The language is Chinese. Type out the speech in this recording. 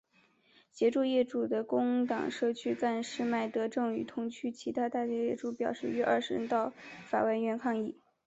协助业主的工党社区干事麦德正与同区其他大厦业主代表约二十人到法院外抗议。